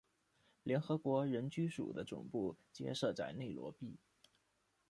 联合国人居署的总部皆设在内罗毕。